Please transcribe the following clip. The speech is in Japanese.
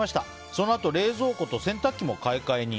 そのあと冷蔵庫と洗濯機も買い替えに。